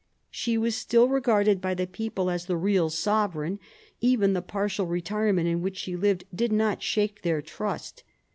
She was still regarded by the people as the real sovereign ; even the partial retirement in which she lived did not shake their trust.